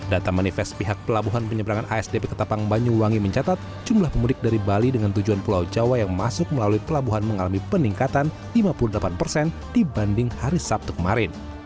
data manifest pihak pelabuhan penyeberangan asdp ketapang banyuwangi mencatat jumlah pemudik dari bali dengan tujuan pulau jawa yang masuk melalui pelabuhan mengalami peningkatan lima puluh delapan persen dibanding hari sabtu kemarin